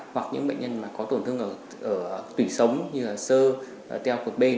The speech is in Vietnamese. hoặc những bệnh nhân có tổn thương ở tủy sống như là sơ teo cột bên